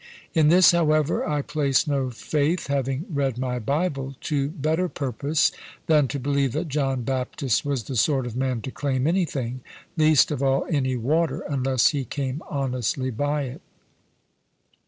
In this, however, I place no faith, having read my Bible to better purpose than to believe that John Baptist was the sort of man to claim anything, least of all any water, unless he came honestly by it.